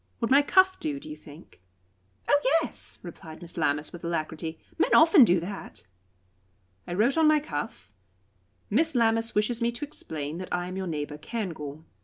Would my cuff do, do you think?" "Oh yes!" replied Miss Lammas, with alacrity; "men often do that." I wrote on my cuff: "Miss Lammas wishes me to explain that I am your neighbour, Cairngorm."